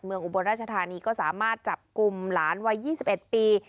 เมืองอุบลราชธานีก็สามารถจับกลุ่มหลานวัยยี่สิบเอ็ดปี